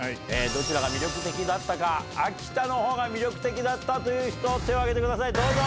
どちらが魅力的だったか、秋田のほうが魅力的だったという人、手を挙げてください、どうぞ。